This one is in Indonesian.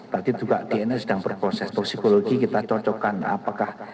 tadi juga dna sedang berproses toksikologi kita cocokkan apakah